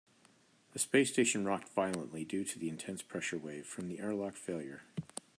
The space station rocked violently due to the intense pressure wave from the airlock failure.